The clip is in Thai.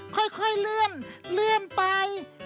ค่อยเลื่อนเลื่อนไป